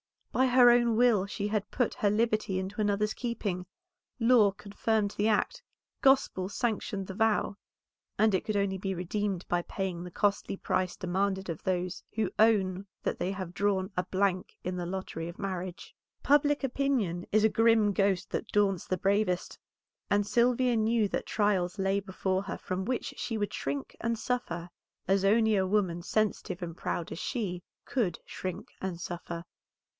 By her own will she had put her liberty into another's keeping; law confirmed the act, gospel sanctioned the vow, and it could only be redeemed by paying the costly price demanded of those who own that they have drawn a blank in the lottery of marriage. Public opinion is a grim ghost that daunts the bravest, and Sylvia knew that trials lay before her from which she would shrink and suffer, as only a woman sensitive and proud as she could shrink and suffer.